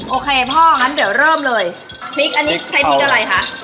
โอเคพ่องั้นเดี๋ยวเริ่มเลยพริกอันนี้ใช้พริกอะไรคะ